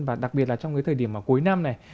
và đặc biệt là trong cái thời điểm cuối năm này